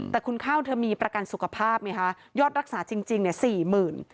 แต่คุณข้าวเธอมีประกันสุขภาพมั้ยคะยอดรักษาจริงเนี่ย๔๐๐๐๐บาท